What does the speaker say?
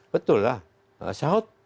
betul lah sahut